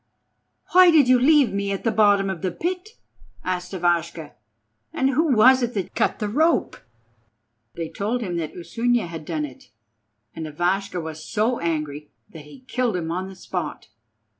"Why did you leave me at the bottom of the pit?" asked Ivashka; "and who was it that cut the rope?" They told him that Usunia had done it, and Ivashka was so angry that he killed him on the spot.